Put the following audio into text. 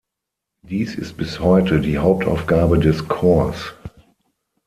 Dies ist bis heute die Hauptaufgabe des Chors.